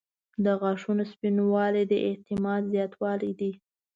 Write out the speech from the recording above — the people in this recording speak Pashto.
• د غاښونو سپینوالی د اعتماد زیاتوالی دی.